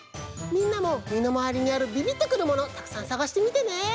みんなもみのまわりにあるビビッとくるものたくさんさがしてみてね！